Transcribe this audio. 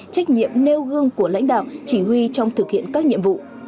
trách nhiệm nêu gương của lãnh đạo chỉ huy trong thực hiện các nhiệm vụ